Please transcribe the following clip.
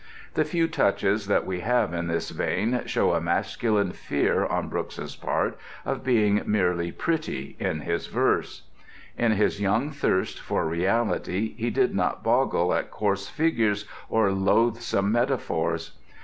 The few touches that we have in this vein show a masculine fear on Brooke's part of being merely pretty in his verse. In his young thirst for reality he did not boggle at coarse figures or loathsome metaphors.